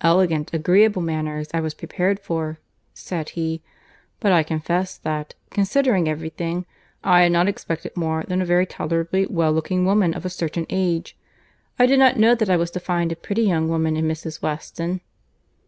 "Elegant, agreeable manners, I was prepared for," said he; "but I confess that, considering every thing, I had not expected more than a very tolerably well looking woman of a certain age; I did not know that I was to find a pretty young woman in Mrs. Weston."